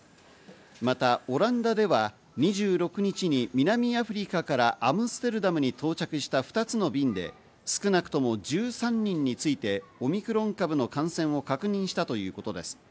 またオランダでは２６日に南アフリカからアムステルダムに到着した２つの便で少なくとも１３人について、オミクロン株の感染を確認したということです。